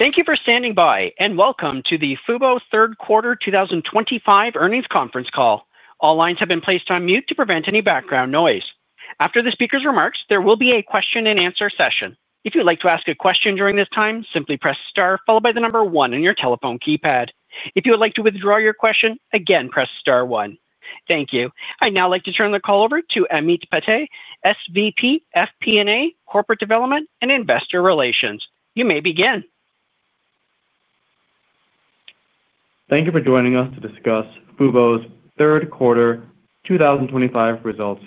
Thank you for standing by, and welcome to the fubo's Third Quarter 2025 Earnings Conference Call. All lines have been placed on mute to prevent any background noise. After the speaker's remarks, there will be a question-and-answer session. If you'd like to ask a question during this time, simply press star followed by the number one on your telephone keypad. If you would like to withdraw your question, again press star one. Thank you. I'd now like to turn the call over to Amit Patte, SVP of FP&A, Corporate Development, and Investor Relations. You may begin. Thank you for joining us to discuss fubo's Third Quarter 2025 results.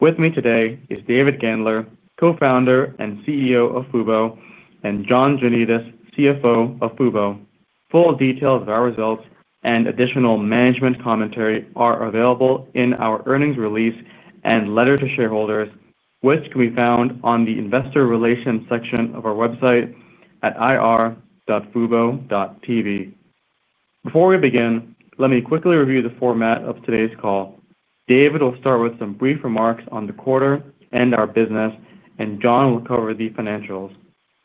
With me today is David Gandler, Co-founder and CEO of fubo, and John Janedis, CFO of fubo. Full details of our results and additional management commentary are available in our earnings release and letter to shareholders, which can be found on the Investor Relations section of our website at ir.fubo.tv. Before we begin, let me quickly review the format of today's call. David will start with some brief remarks on the quarter and our business, and John will cover the financials.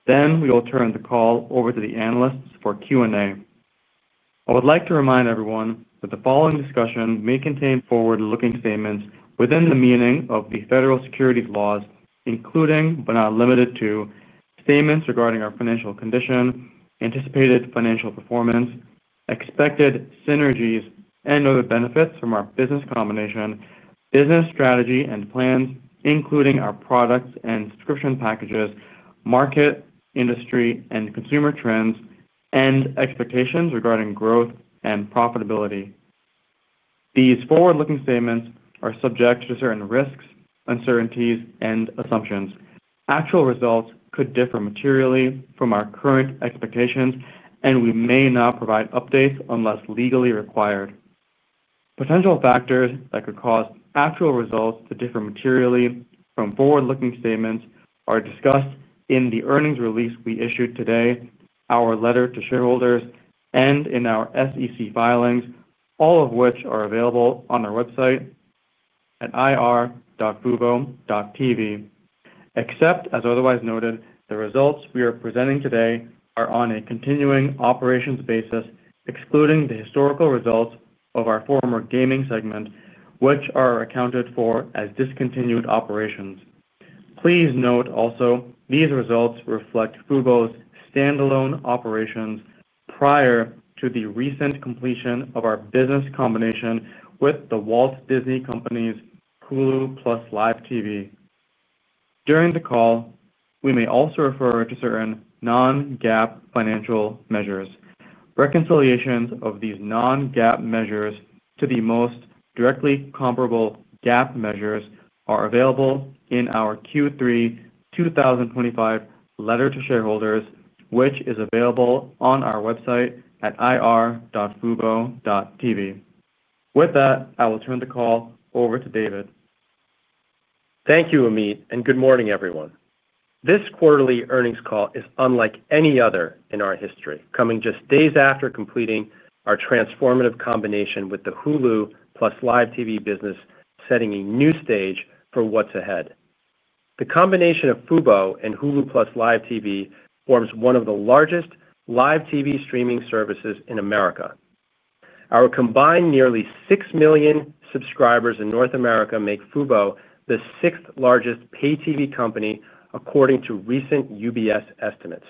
We will turn the call over to the analysts for Q&A. I would like to remind everyone that the following discussion may contain forward-looking statements within the meaning of the federal securities laws, including but not limited to statements regarding our financial condition, anticipated financial performance, expected synergies, and other benefits from our business combination, business strategy and plans, including our products and subscription packages, market, industry, and consumer trends, and expectations regarding growth and profitability. These forward-looking statements are subject to certain risks, uncertainties, and assumptions. Actual results could differ materially from our current expectations, and we may not provide updates unless legally required. Potential factors that could cause actual results to differ materially from forward-looking statements are discussed in the earnings release we issued today, our letter to shareholders, and in our SEC filings, all of which are available on our website at ir.fubo.tv. Except, as otherwise noted, the results we are presenting today are on a continuing operations basis, excluding the historical results of our former gaming segment, which are accounted for as discontinued operations. Please note also these results reflect fubo's standalone operations prior to the recent completion of our business combination with The Walt Disney Company’s Hulu + Live TV. During the call, we may also refer to certain non-GAAP financial measures. Reconciliations of these non-GAAP measures to the most directly comparable GAAP measures are available in our Q3 2025 letter to shareholders, which is available on our website at ir.fubo.tv. With that, I will turn the call over to David. Thank you, Amit, and good morning, everyone. This quarterly earnings call is unlike any other in our history, coming just days after completing our transformative combination with the Hulu + Live TV business, setting a new stage for what's ahead. The combination of fubo and Hulu + Live TV forms one of the largest live TV streaming services in America. Our combined nearly six million subscribers in North America make fubo the 6th-largest Pay TV company, according to recent UBS estimates.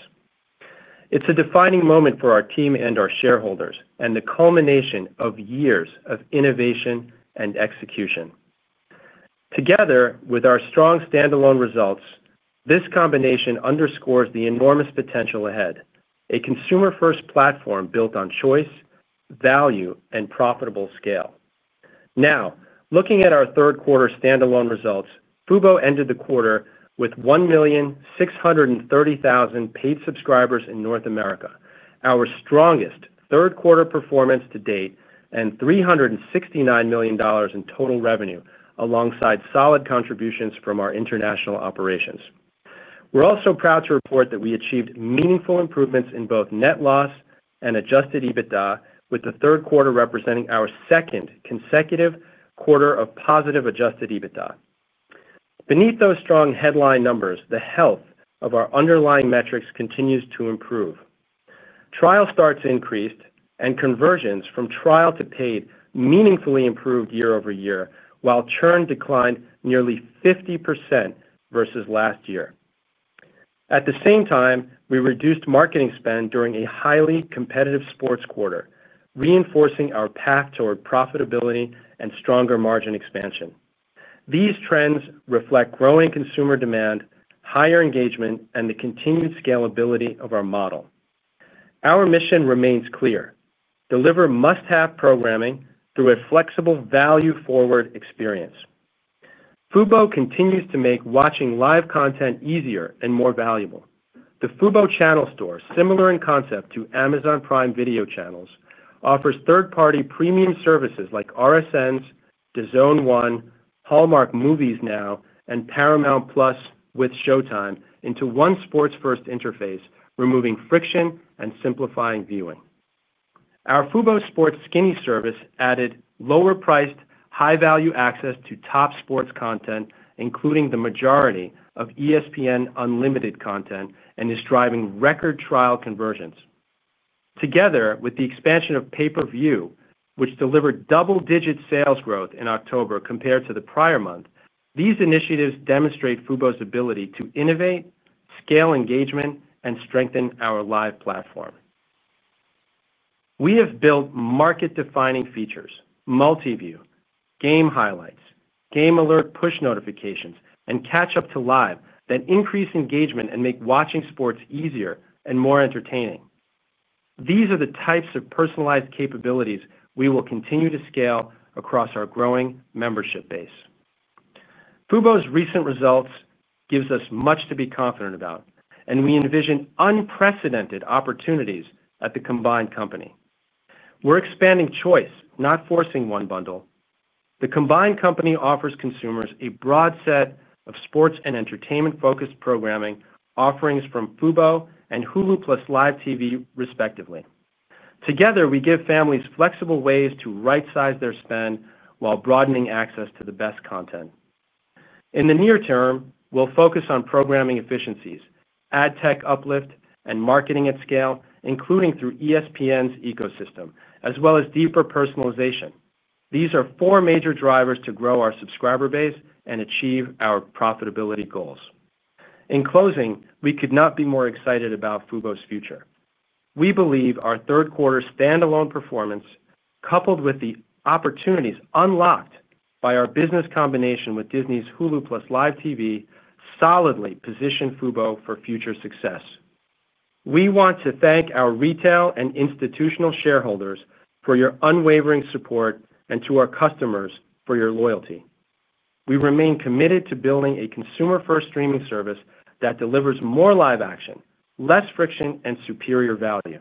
It's a defining moment for our team and our shareholders, and the culmination of years of innovation and execution. Together with our strong standalone results, this combination underscores the enormous potential ahead: a consumer-first platform built on choice, value, and profitable scale. Now, looking at our third-quarter standalone results, fubo ended the quarter with 1,630,000 paid subscribers in North America, our strongest third-quarter performance to date, and $369 million in total revenue, alongside solid contributions from our international operations. We're also proud to report that we achieved meaningful improvements in both net loss and adjusted EBITDA, with the third quarter representing our second consecutive quarter of positive adjusted EBITDA. Beneath those strong headline numbers, the health of our underlying metrics continues to improve. Trial starts increased, and conversions from trial to paid meaningfully improved year-over-year, while churn declined nearly 50% versus last year. At the same time, we reduced marketing spend during a highly competitive sports quarter, reinforcing our path toward profitability and stronger margin expansion. These trends reflect growing consumer demand, higher engagement, and the continued scalability of our model. Our mission remains clear: deliver must-have programming through a flexible, value-forward experience. fubo continues to make watching live content easier and more valuable. The fubo channel store, similar in concept to Amazon Prime Video channels, offers third-party premium services like RSNs, The Zone One, Hallmark Movies Now, and Paramount+ with Showtime into one sports-first interface, removing friction and simplifying viewing. Our fubo Sports skinny service added lower-priced, high-value access to top sports content, including the majority of ESPN Unlimited content, and is driving record trial conversions. Together with the expansion of pay-per-view, which delivered double-digit sales growth in October compared to the prior month, these initiatives demonstrate fubo's ability to innovate, scale engagement, and strengthen our live platform. We have built market-defining features: multi-view, game highlights, game alert push notifications, and catch-up to live that increase engagement and make watching sports easier and more entertaining. These are the types of personalized capabilities we will continue to scale across our growing membership base. fubo's recent results give us much to be confident about, and we envision unprecedented opportunities at the combined company. We're expanding choice, not forcing one bundle. The combined company offers consumers a broad set of sports and entertainment-focused programming offerings from fubo and Hulu + Live TV, respectively. Together, we give families flexible ways to right-size their spend while broadening access to the best content. In the near term, we'll focus on programming efficiencies, ad tech uplift, and marketing at scale, including through ESPN's ecosystem, as well as deeper personalization. These are four major drivers to grow our subscriber base and achieve our profitability goals. In closing, we could not be more excited about fubo's future. We believe our third-quarter standalone performance, coupled with the opportunities unlocked by our business combination with Disney's Hulu + Live TV, solidly position fubo for future success. We want to thank our retail and institutional shareholders for your unwavering support and to our customers for your loyalty. We remain committed to building a consumer-first streaming service that delivers more live action, less friction, and superior value.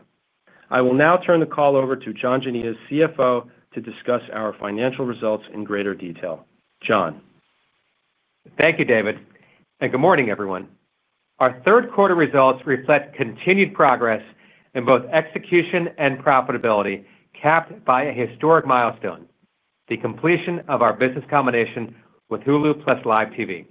I will now turn the call over to John Janedis, CFO, to discuss our financial results in greater detail. John. Thank you, David. And good morning, everyone. Our third-quarter results reflect continued progress in both execution and profitability capped by a historic milestone: the completion of our business combination with Hulu + Live TV.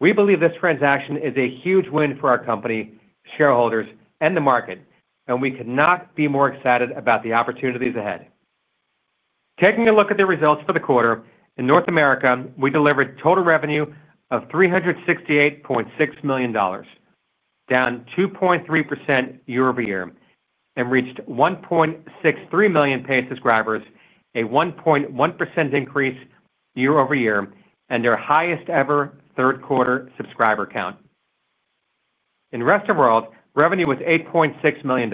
We believe this transaction is a huge win for our company, shareholders, and the market, and we could not be more excited about the opportunities ahead. Taking a look at the results for the quarter, in North America, we delivered total revenue of $368.6 million, down 2.3% year-over-year, and reached 1.63 million paid subscribers, a 1.1% increase year-over-year, and their highest-ever third-quarter subscriber count. In the rest of the world, revenue was $8.6 million,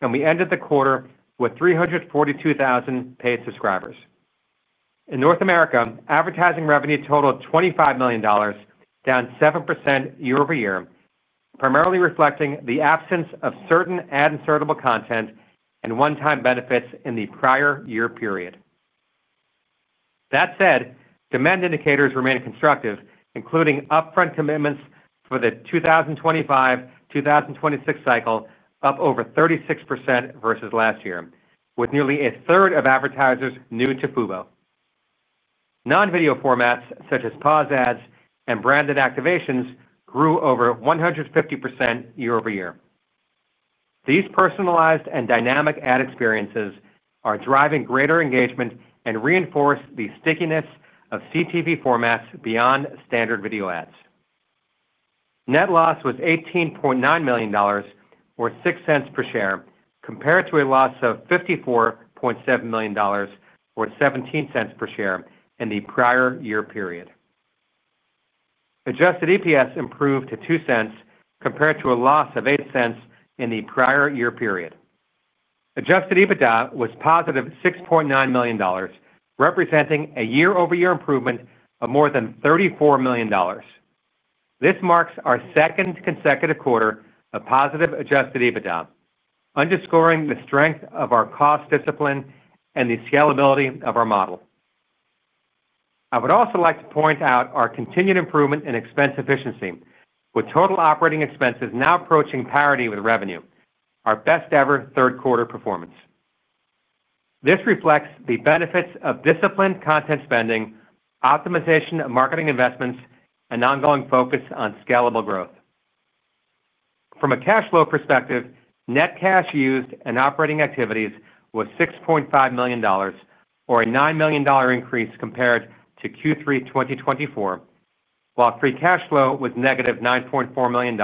and we ended the quarter with 342,000 paid subscribers. In North America, advertising revenue totaled $25 million, down 7% year-over-year, primarily reflecting the absence of certain ad-insertable content and one-time benefits in the prior year period. That said, demand indicators remain constructive, including upfront commitments for the 2025-2026 cycle, up over 36% versus last year, with nearly a third of advertisers new to fubo. Non-video formats, such as pause ads and branded activations, grew over 150% year-over-year. These personalized and dynamic ad experiences are driving greater engagement and reinforce the stickiness of CTV formats beyond standard video ads. Net loss was $18.9 million, or $0.06 per share, compared to a loss of $54.7 million, or $0.17 per share in the prior year period. Adjusted EPS improved to $0.02 compared to a loss of $0.08 in the prior year period. Adjusted EBITDA was +$6.9 million, representing a year-over-year improvement of more than $3four million. This marks our second consecutive quarter of positive adjusted EBITDA, underscoring the strength of our cost discipline and the scalability of our model. I would also like to point out our continued improvement in expense efficiency, with total operating expenses now approaching parity with revenue, our best-ever third-quarter performance. This reflects the benefits of disciplined content spending, optimization of marketing investments, and ongoing focus on scalable growth. From a cash flow perspective, net cash used in operating activities was $6.5 million, or a $9 million increase compared to Q3 2024, while free cash flow was -$9.four million,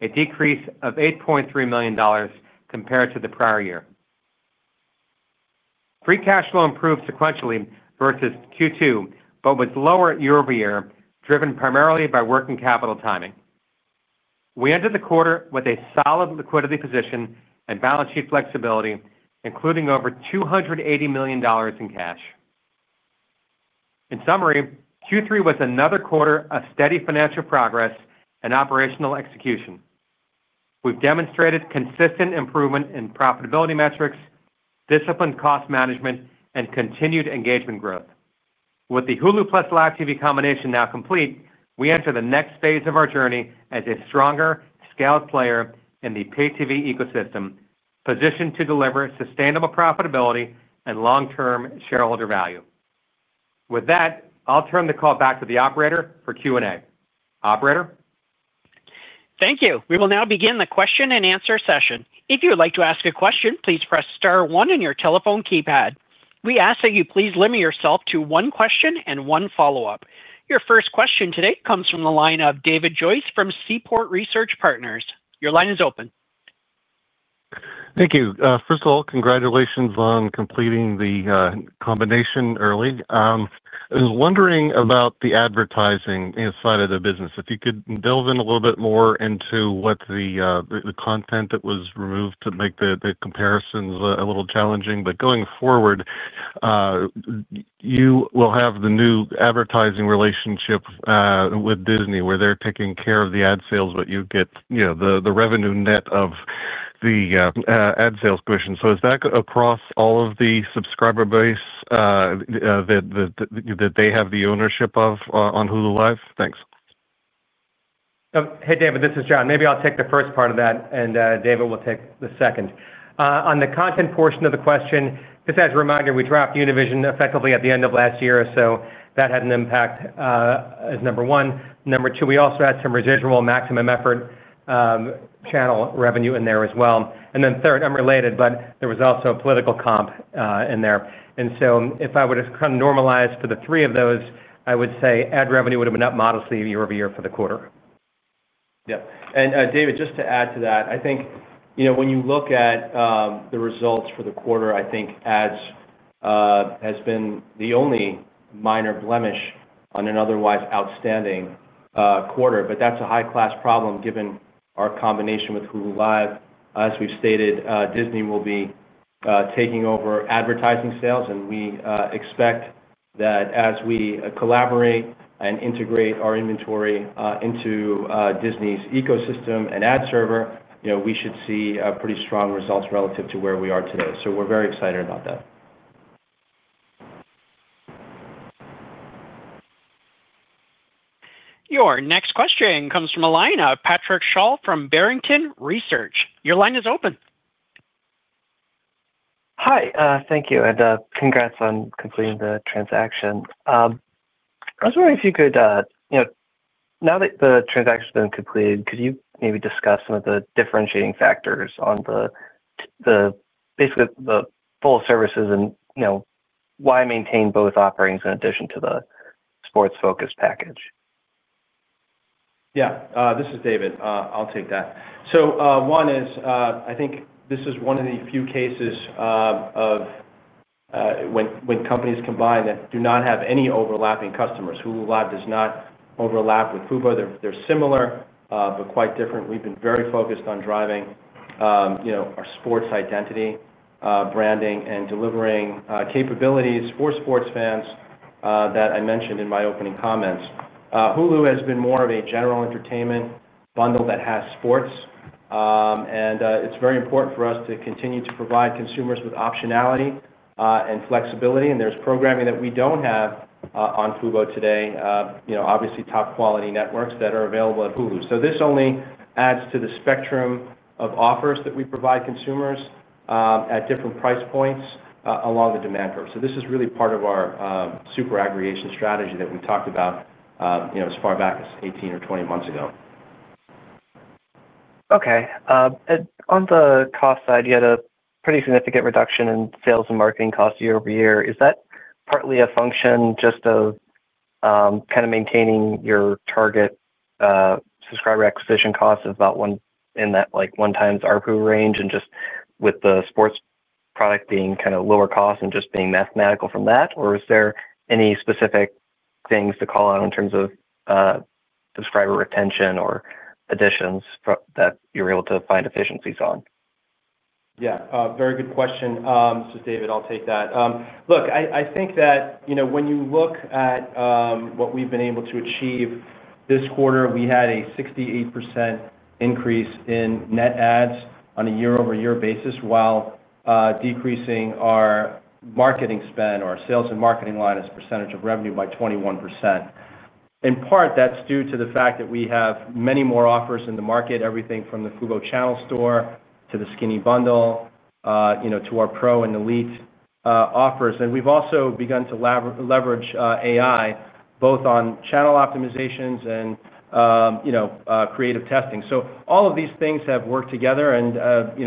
a decrease of $8.3 million compared to the prior year. Free cash flow improved sequentially versus Q2, but was lower year-over-year, driven primarily by working capital timing. We ended the quarter with a solid liquidity position and balance sheet flexibility, including over $280 million in cash. In summary, Q3 was another quarter of steady financial progress and operational execution. We've demonstrated consistent improvement in profitability metrics, disciplined cost management, and continued engagement growth. With the Hulu + Live TV combination now complete, we enter the next phase of our journey as a stronger scaled player in the Pay TV ecosystem, positioned to deliver sustainable profitability and long-term shareholder value. With that, I'll turn the call back to the operator for Q&A. Operator. Thank you. We will now begin the question-and-answer session. If you would like to ask a question, please press star one on your telephone keypad. We ask that you please limit yourself to one question and one follow-up. Your first question today comes from the line of David Joyce from Seaport Research Partners. Your line is open. Thank you. First of all, congratulations on completing the combination early. I was wondering about the advertising inside of the business. If you could delve in a little bit more into what the content that was removed to make the comparisons a little challenging. Going forward, you will have the new advertising relationship with Disney, where they're taking care of the ad sales, but you get the revenue net of the ad sales commission. Is that across all of the subscriber base that they have the ownership of on Hulu Live? Thanks. Hey, David, this is John. Maybe I'll take the first part of that, and David will take the second. On the content portion of the question, just as a reminder, we dropped Univision effectively at the end of last year, so that had an impact. As number one. Number two, we also had some residual maximum effort channel revenue in there as well. And then third, unrelated, but there was also a political comp in there. If I were to kind of normalize for the three of those, I would say ad revenue would have been up modestly year-over-year for the quarter. Yeah. David, just to add to that, I think when you look at the results for the quarter, I think ads has been the only minor blemish on an otherwise outstanding quarter. That is a high-class problem given our combination with Hulu Live. As we've stated, Disney will be taking over advertising sales, and we expect that as we collaborate and integrate our inventory into Disney's ecosystem and ad server, we should see pretty strong results relative to where we are today. We are very excited about that. Your next question comes from a line of Patrick Shaw from Barrington Research. Your line is open. Hi. Thank you. Congrats on completing the transaction. I was wondering if you could, now that the transaction has been completed, [did you] maybe discuss some of the differentiating factors on the, basically the full services and why maintain both offerings in addition to the sports-focused package? Yeah. This is David. I'll take that. One is, I think this is one of the few cases of when companies combine that do not have any overlapping customers. Hulu Live does not overlap with fubo. They're similar, but quite different. We've been very focused on driving our sports identity, branding, and delivering capabilities for sports fans that I mentioned in my opening comments. Hulu has been more of a general entertainment bundle that has sports. It is very important for us to continue to provide consumers with optionality and flexibility. There is programming that we do not have on fubo today, obviously top-quality networks that are available at Hulu. This only adds to the spectrum of offers that we provide consumers at different price points along the demand curve. This is really part of our super aggregation strategy that we talked about as far back as 18-20 months ago. Okay. On the cost side, you had a pretty significant reduction in sales and marketing costs year-over-year. Is that partly a function just of kind of maintaining your target subscriber acquisition cost of about one in that one-time's ARPU range and just with the sports product being kind of lower cost and just being mathematical from that? Or is there any specific things to call out in terms of subscriber retention or additions that you were able to find efficiencies on? Yeah. Very good question. This is David. I'll take that. Look, I think that when you look at what we've been able to achieve this quarter, we had a 68% increase in net ads on a year-over-year basis while decreasing our marketing spend or our sales and marketing line as a percentage of revenue by 21%. In part, that's due to the fact that we have many more offers in the market, everything from the fubo channel store to the skinny bundle, to our Pro and Elite offers. We've also begun to leverage AI, both on channel optimizations and creative testing. All of these things have worked together.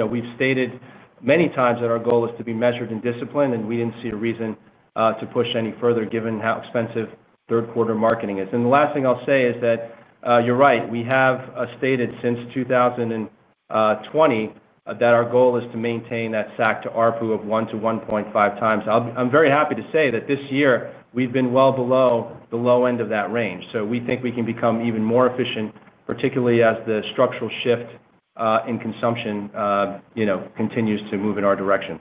We've stated many times that our goal is to be measured and disciplined, and we didn't see a reason to push any further given how expensive third-quarter marketing is. The last thing I'll say is that you're right. We have stated since 2020 that our goal is to maintain that SAC to ARPU of 1 x-1.5 x. I'm very happy to say that this year we've been well below the low end of that range. We think we can become even more efficient, particularly as the structural shift in consumption continues to move in our direction.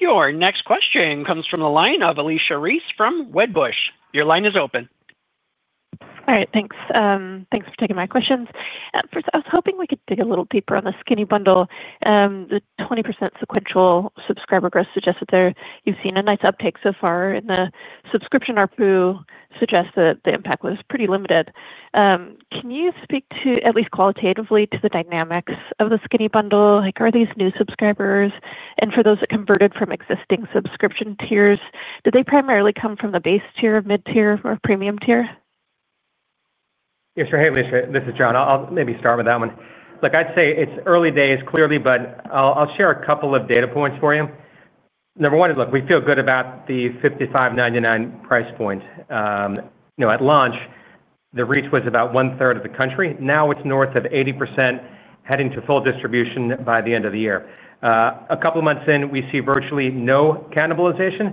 Your next question comes from the line of Alicia Reese from WEDBUSH. Your line is open. All right. Thanks. Thanks for taking my questions. First, I was hoping we could dig a little deeper on the skinny bundle. The 20% sequential subscriber growth suggests that you've seen a nice uptake so far, and the subscription ARPU suggests that the impact was pretty limited. Can you speak to, at least qualitatively, to the dynamics of the skinny bundle? Are these new subscribers? For those that converted from existing subscription tiers, did they primarily come from the base tier, mid-tier, or premium tier? Yes, sir. Hey, Alicia. This is John. I'll maybe start with that one. Look, I'd say it's early days, clearly, but I'll share a couple of data points for you. Number one, look, we feel good about the $55.99 price point. At launch, the reach was about 1/3 of the country. Now it's north of 80%, heading to full distribution by the end of the year. A couple of months in, we see virtually no cannibalization.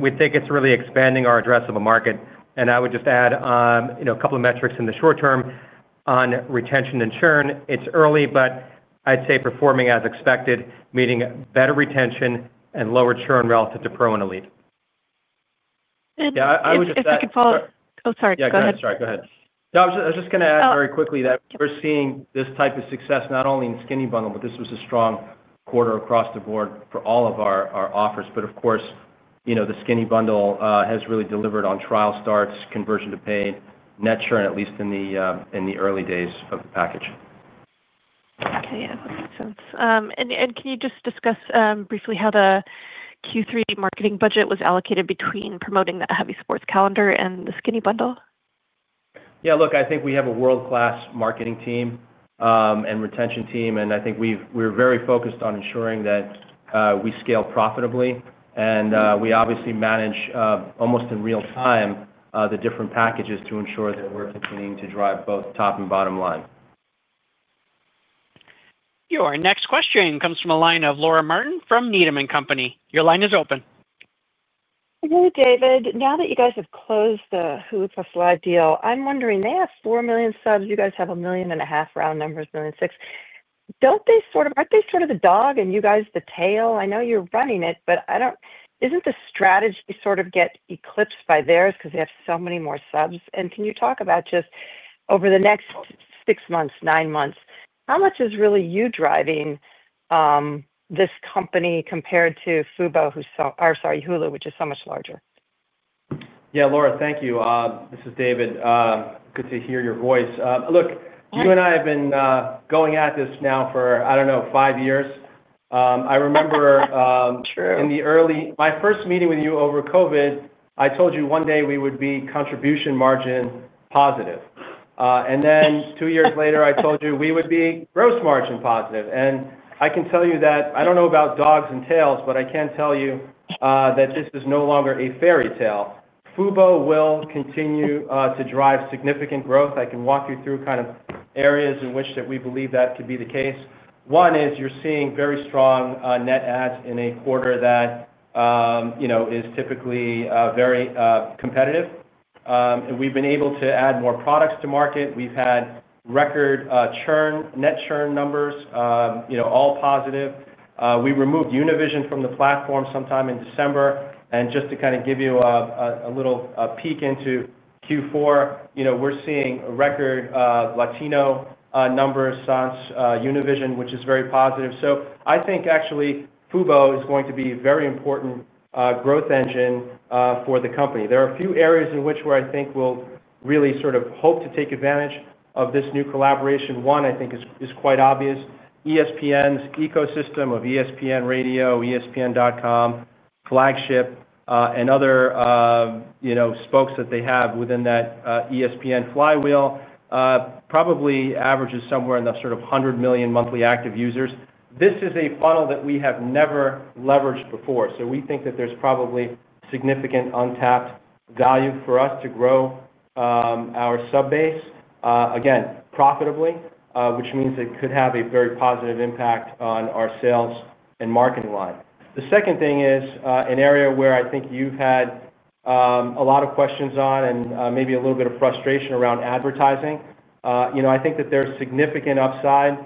We think it's really expanding our addressable market. I would just add a couple of metrics in the short term on retention and churn. It's early, but I'd say performing as expected, meaning better retention and lower churn relative to Pro and Elite. If you could follow up. Oh, sorry. Go ahead. Yeah. Sorry. Go ahead. No, I was just going to add very quickly that we're seeing this type of success not only in skinny bundle, but this was a strong quarter across the board for all of our offers. Of course, the skinny bundle has really delivered on trial starts, conversion to paid, net churn, at least in the early days of the package. Okay. Yeah. That makes sense. Can you just discuss briefly how the Q3 marketing budget was allocated between promoting that heavy sports calendar and the skinny bundle? Yeah. Look, I think we have a world-class marketing team and retention team. I think we're very focused on ensuring that we scale profitably. We obviously manage almost in real time the different packages to ensure that we're continuing to drive both top and bottom line. Your next question comes from a line of Laura Martin from Needham & Company. Your line is open. Hey, David. Now that you guys have closed the Hulu + Live deal, I'm wondering, they have four million subs. You guys have 1.5 million, round numbers, 1.6 million. Don't they sort of, aren't they sort of the dog and you guys the tail? I know you're running it, but isn't the strategy sort of get eclipsed by theirs because they have so many more subs? Can you talk about just over the next six months-nine months, how much is really you driving this company compared to fubo or, sorry, Hulu, which is so much larger? Yeah, Laura, thank you. This is David. Good to hear your voice. Look, you and I have been going at this now for, I do not know, five years. I remember. True. In the early my first meeting with you over COVID, I told you one day we would be contribution margin positive. And then two years later, I told you we would be gross margin positive. And I can tell you that I do not know about dogs and tails, but I can tell you that this is no longer a fairy tale. fubo will continue to drive significant growth. I can walk you through kind of areas in which we believe that could be the case. One is you are seeing very strong net ads in a quarter that is typically very competitive. And we have been able to add more products to market. We have had record churn, net churn numbers, all positive. We removed Univision from the platform sometime in December. And just to kind of give you a little peek into Q4, we are seeing record Latino numbers since Univision, which is very positive. So I think actually fubo is going to be a very important growth engine for the company. There are a few areas in which I think we will really sort of hope to take advantage of this new collaboration. One, I think, is quite obvious. ESPN's ecosystem of ESPN Radio, ESPN.com, [Flagship], and other spokes that they have within that ESPN flywheel probably averages somewhere in the sort of 100 million monthly active users. This is a funnel that we have never leveraged before. So we think that there is probably significant untapped value for us to grow our sub-base, again, profitably, which means it could have a very positive impact on our sales and marketing line. The second thing is an area where I think you have had a lot of questions on and maybe a little bit of frustration around advertising. I think that there is significant upside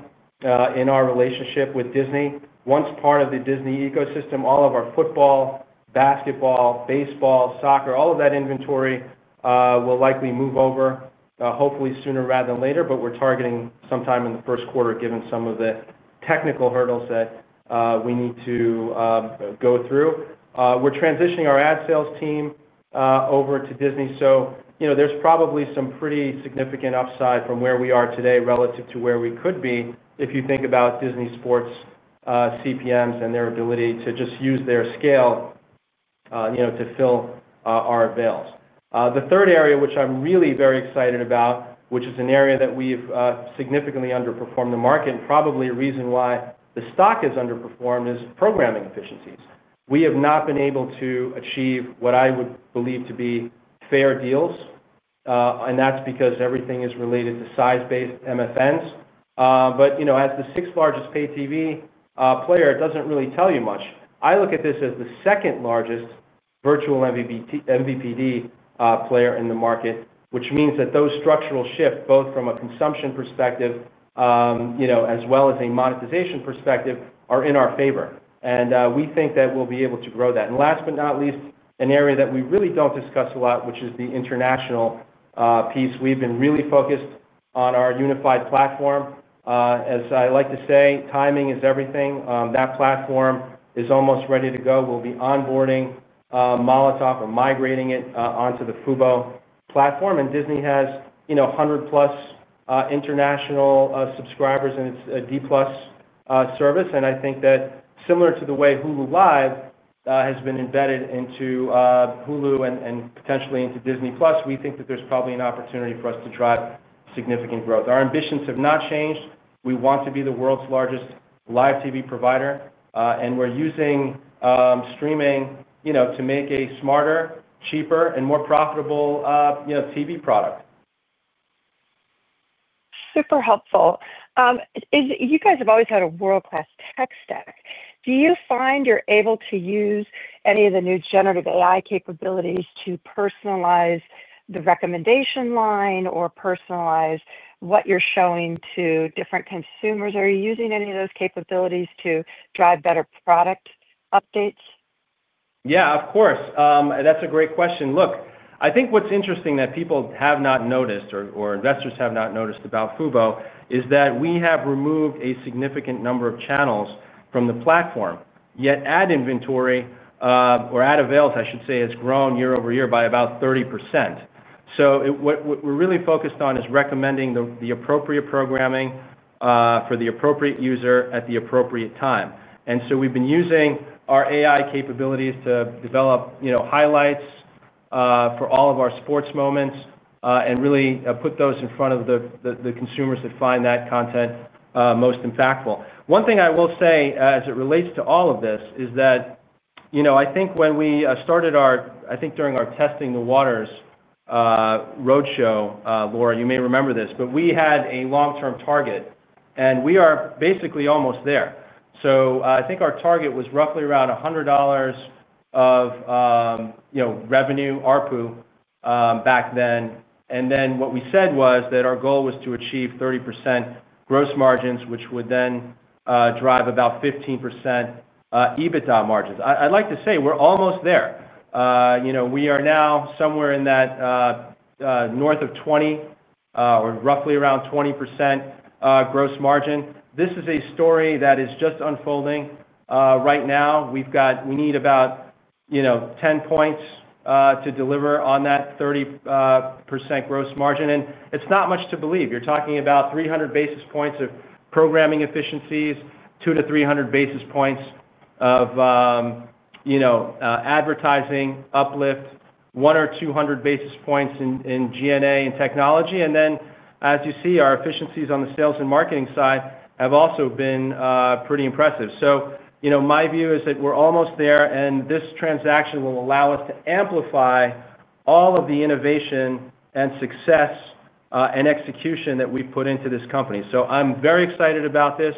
in our relationship with Disney. Once part of the Disney ecosystem, all of our football, basketball, baseball, soccer, all of that inventory will likely move over hopefully sooner rather than later. We are targeting sometime in the first quarter, given some of the technical hurdles that we need to go through. We are transitioning our ad sales team over to Disney. So there is probably some pretty significant upside from where we are today relative to where we could be if you think about Disney Sports' CPMs and their ability to just use their scale to fill our veils. The third area, which I am really very excited about, which is an area that we have significantly underperformed the market, and probably a reason why the stock has underperformed, is programming efficiencies. We have not been able to achieve what I would believe to be fair deals. And that is because everything is related to size-based and thier spends. But as the sixth-largest Pay TV player, it does not really tell you much. I look at this as the second-largest virtual MVPD player in the market, which means that those structural shifts, both from a consumption perspective as well as a monetization perspective, are in our favor. We think that we'll be able to grow that. Last but not least, an area that we really do not discuss a lot, which is the international piece. We've been really focused on our unified platform. As I like to say, timing is everything. That platform is almost ready to go. We'll be onboarding Molotov or migrating it onto the fubo platform. Disney has 100-plus international subscribers in its D+ service. I think that similar to the way Hulu Live has been embedded into Hulu and potentially into Disney+, we think that there's probably an opportunity for us to drive significant growth. Our ambitions have not changed. We want to be the world's largest live TV provider. We are using streaming to make a smarter, cheaper, and more profitable TV product. Super helpful. You guys have always had a world-class tech stack. Do you find you're able to use any of the new generative AI capabilities to personalize the recommendation line or personalize what you're showing to different consumers? Are you using any of those capabilities to drive better product updates? Yeah, of course. That's a great question. Look, I think what's interesting that people have not noticed or investors have not noticed about fubo is that we have removed a significant number of channels from the platform. Yet ad inventory, or ad avails, I should say, has grown year-over-year by about 30%. What we're really focused on is recommending the appropriate programming for the appropriate user at the appropriate time. We have been using our AI capabilities to develop highlights for all of our sports moments and really put those in front of the consumers that find that content most impactful. One thing I will say as it relates to all of this is that I think when we started our, I think during our testing the waters roadshow, Laura, you may remember this, but we had a long-term target. We are basically almost there. I think our target was roughly around $100 of revenue, ARPU, back then. What we said was that our goal was to achieve 30% gross margins, which would then drive about 15% EBITDA margins. I'd like to say we're almost there. We are now somewhere in that north of 20% or roughly around 20% gross margin. This is a story that is just unfolding right now. We need about 10 points to deliver on that 30% gross margin. It's not much to believe. You're talking about 300 basis points of programming efficiencies, 200-300 basis points of advertising uplift, 100-200 basis points in G&A and technology. As you see, our efficiencies on the sales and marketing side have also been pretty impressive. My view is that we're almost there. This transaction will allow us to amplify all of the innovation and success and execution that we've put into this company. I'm very excited about this.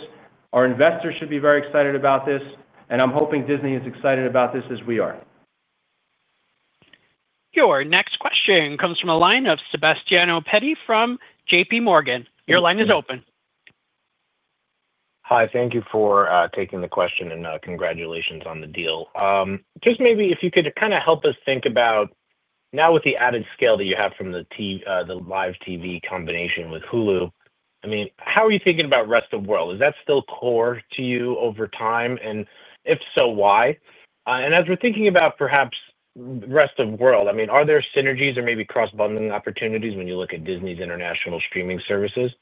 Our investors should be very excited about this. I'm hoping Disney is as excited about this as we are. Your next question comes from a line of Sebastiano Petty from JPMorgan. Your line is open. Hi. Thank you for taking the question and congratulations on the deal. Just maybe if you could kind of help us think about, now with the added scale that you have from the Live TV combination with Hulu, I mean, how are you thinking about rest of world? Is that still core to you over time? If so, why? As we're thinking about perhaps rest of world, I mean, are there synergies or maybe cross-bundling opportunities when you look at Disney's international streaming services?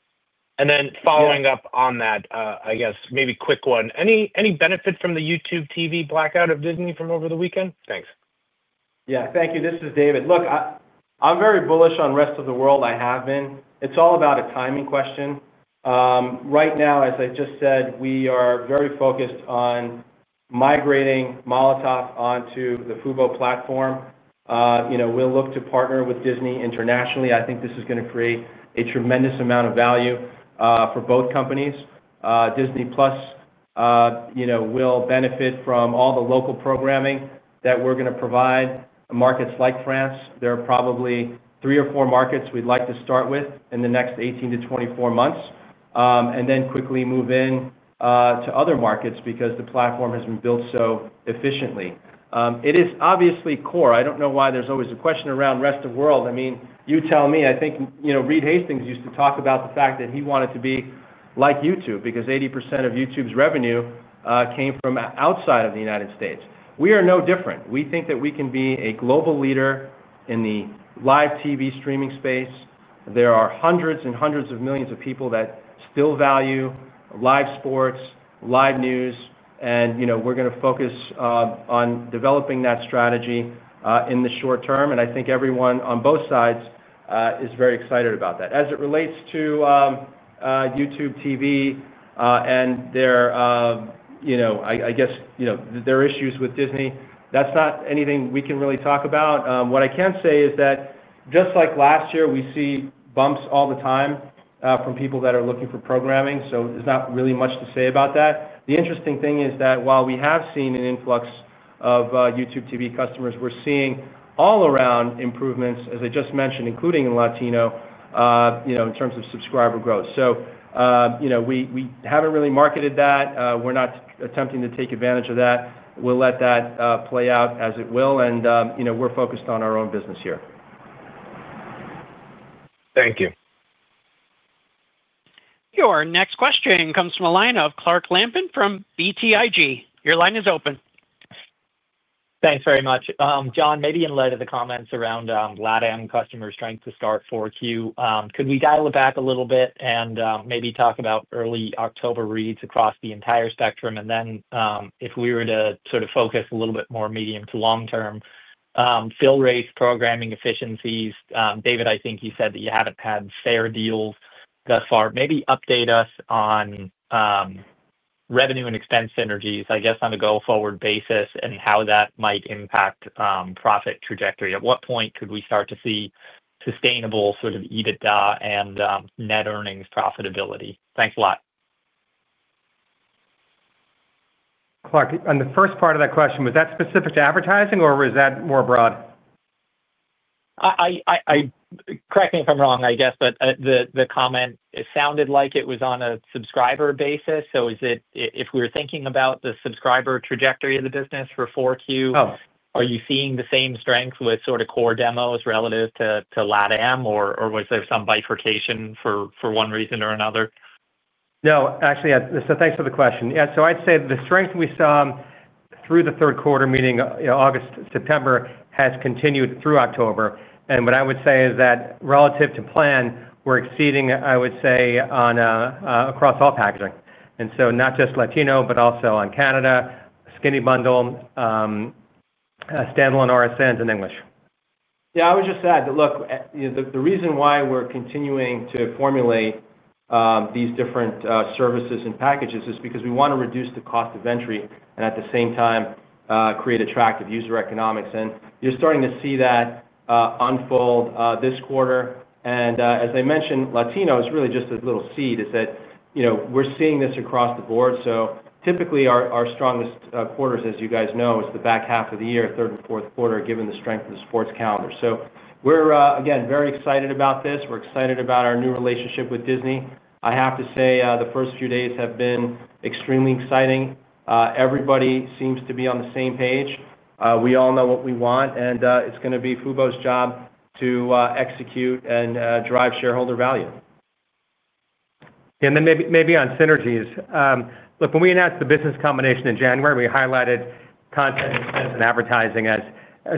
Following up on that, I guess, maybe quick one. Any benefit from the YouTube TV blackout of Disney from over the weekend? Thanks. Yeah. Thank you. This is David. Look, I'm very bullish on rest of the world. I have been. It's all about a timing question. Right now, as I just said, we are very focused on migrating Molotov onto the fubo platform. We'll look to partner with Disney internationally. I think this is going to create a tremendous amount of value for both companies. Disney+ will benefit from all the local programming that we're going to provide. Markets like France, there are probably three- four markets we'd like to start with in the next 18-24 months, and then quickly move in to other markets because the platform has been built so efficiently. It is obviously core. I don't know why there's always a question around rest of world. I mean, you tell me. I think Reed Hastings used to talk about the fact that he wanted to be like YouTube because 80% of YouTube's revenue came from outside of the United States. We are no different. We think that we can be a global leader in the live TV streaming space. There are hundreds and hundreds of millions of people that still value live sports, live news. And we're going to focus on developing that strategy in the short term. I think everyone on both sides is very excited about that. As it relates to YouTube TV, and I guess their issues with Disney, that's not anything we can really talk about. What I can say is that just like last year, we see bumps all the time from people that are looking for programming. There's not really much to say about that. The interesting thing is that while we have seen an influx of YouTube TV customers, we're seeing all around improvements, as I just mentioned, including in Latino. In terms of subscriber growth. We haven't really marketed that. We're not attempting to take advantage of that. We'll let that play out as it will. We're focused on our own business here. Thank you. Your next question comes from a line of Clark Lampin from BTIG. Your line is open. Thanks very much. John, maybe in light of the comments around LatAm customer strength to start 4Q, could we dial it back a little bit and maybe talk about early October reads across the entire spectrum? If we were to sort of focus a little bit more medium to long-term, fill rates, programming efficiencies. David, I think you said that you haven't had fair deals thus far. Maybe update us on revenue and expense synergies, I guess, on a go-forward basis and how that might impact profit trajectory. At what point could we start to see sustainable sort of EBITDA and net earnings profitability? Thanks a lot. Clark, on the first part of that question, was that specific to advertising, or was that more broad? Correct me if I'm wrong, I guess, but the comment sounded like it was on a subscriber basis. So if we were thinking about the subscriber trajectory of the business for 4Q, are you seeing the same strength with sort of core demos relative to LatAm, or was there some bifurcation for one reason or another? No, actually, so thanks for the question. Yeah. I'd say the strength we saw through the third quarter, meaning August-September, has continued through October. What I would say is that relative to plan, we're exceeding, I would say. Across all packaging. Not just Latino, but also on Canada, skinny bundle, standalone RSNs, and English. Yeah. I was just glad that, look, the reason why we're continuing to formulate these different services and packages is because we want to reduce the cost of entry and at the same time create attractive user economics. You're starting to see that unfold this quarter. As I mentioned, Latino is really just a little seed is that we're seeing this across the board. Typically, our strongest quarters, as you guys know, is the back half of the year, third-fourth quarter, given the strength of the sports calendar. We're, again, very excited about this. We're excited about our new relationship with Disney. I have to say the first few days have been extremely exciting. Everybody seems to be on the same page. We all know what we want. It's going to be fubo's job to execute and drive shareholder value. Yeah. And then maybe on synergies. Look, when we announced the business combination in January, we highlighted content and advertising as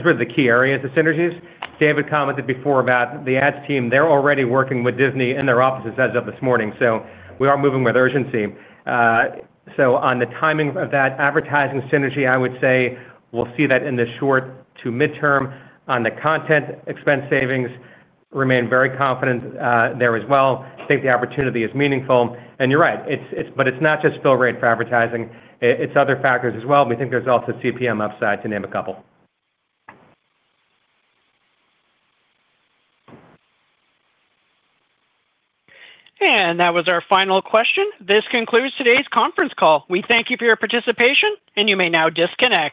really the key areas of synergies. David commented before about the ads team. They're already working with Disney in their offices as of this morning. We are moving with urgency. On the timing of that advertising synergy, I would say we'll see that in the short to mid-term. On the content expense savings, remain very confident there as well. I think the opportunity is meaningful. You're right. It's not just fill rate for advertising. It's other factors as well. We think there's also CPM upside to name a couple. That was our final question. This concludes today's conference call. We thank you for your participation, and you may now disconnect.